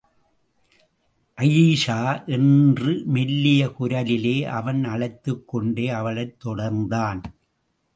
அயீஷா! என்று மெல்லிய குரலிலே அவன் அழைத்துக்கொண்டே அவளைத் தொடர்ந்தான்.